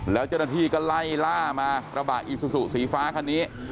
แล้วเจ้าหน้าที่ก็ไล่ล่ามากระบะอีซูซูสีฟ้าคันนี้